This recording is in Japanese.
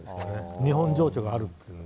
日本情緒があるというので。